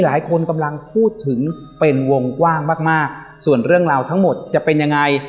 หลายคนกำลังพูดถึงเป็นวงกว้างมากมากส่วนเรื่องราวทั้งหมดจะเป็นยังไง